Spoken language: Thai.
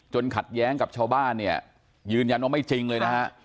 ขัดแย้งกับชาวบ้านเนี่ยยืนยันว่าไม่จริงเลยนะฮะ